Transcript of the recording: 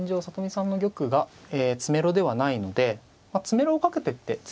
里見さんの玉が詰めろではないので詰めろをかけてって